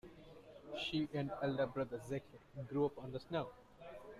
She and elder brother Zeke grew up on the snow.